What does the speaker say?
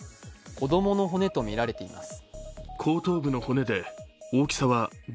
子供の骨とみられています。